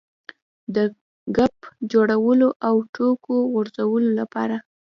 د ګپ جوړولو او ټوکو غځولو لپاره.